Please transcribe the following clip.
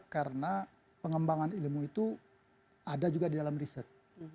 karena pengembangan ilmu itu ada juga di dalam riset